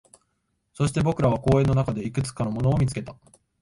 そして、僕らは公園の中でいくつかのものを見つけた